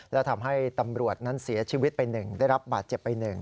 และทำให้ตำรวจนั้นเสียชีวิตไป๑ได้รับบาดเจ็บไป๑